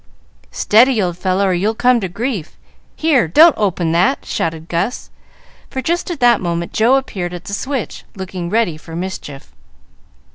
"Steady, old fellow, or you'll come to grief. Here, don't open that!" shouted Gus, for just at that moment Joe appeared at the switch, looking ready for mischief.